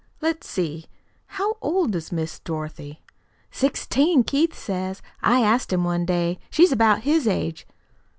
Let's see, how old is Miss Dorothy?" "Sixteen, Keith says. I asked him one day. She's about his age."